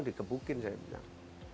dikepukin saya bilang